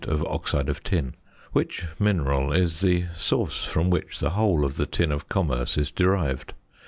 of oxide of tin), which mineral is the source from which the whole of the tin of commerce is derived.